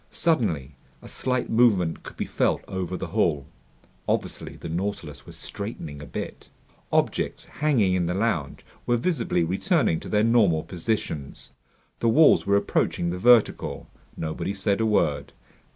Suddenly a slight movement could be felt over the hull. Obviously the Nautilus was straightening a bit. Objects hanging in the lounge were visibly returning to their normal positions. The walls were approaching the vertical. Nobody said a word.